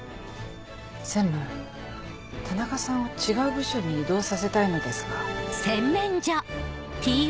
専務田中さんを違う部署に異動させたいのですが。